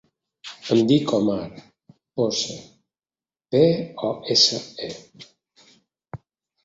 Em dic Omar Pose: pe, o, essa, e.